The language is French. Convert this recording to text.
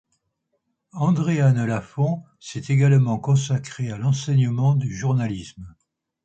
Andréanne Lafond s'est également consacrée à l'enseignement du journalisme.